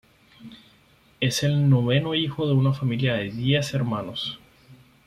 Es el noveno hijo de una familia de diez hermanos.